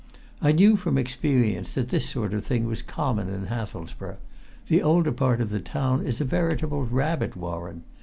I knew from experience that this sort of thing was common in Hathelsborough; the older part of the town is a veritable rabbit warren!